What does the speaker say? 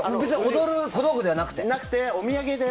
踊る小道具ではなくて？